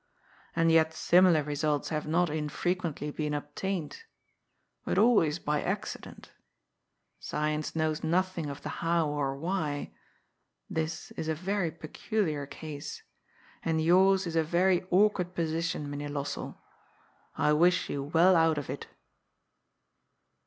And yet similar results have not infrequently been obtained, but always by accident. Science knows nothing of the how or why. This is a very peculiar case. And yours is a very awkward position, Mynheer Lossell. I wish you well out of it."